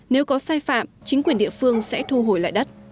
nếu có sai phạm chính quyền địa phương sẽ thu hồi lại đất